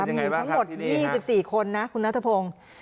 มีทั้งหมด๒๔คนนะคุณนัทพงศ์